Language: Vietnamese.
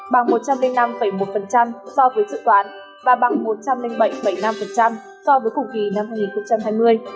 bằng một trăm linh năm một so với dự toán và bằng một trăm linh bảy năm so với cùng kỳ năm hai nghìn hai mươi